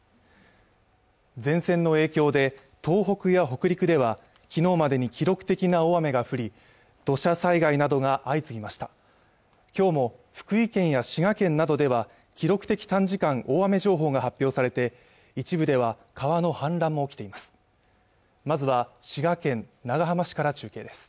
前線の影響で東北や北陸ではきのうまでに記録的な大雨が降り土砂災害などが相次ぎました今日も福井県や滋賀県などでは記録的短時間大雨情報が発表されて一部では川の氾濫も起きています